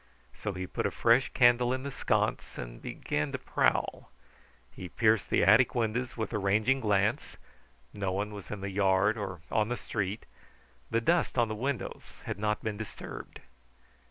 So he put a fresh candle in the sconce and began to prowl. He pierced the attic windows with a ranging glance; no one was in the yard or on the Street. The dust on the windows had not been disturbed.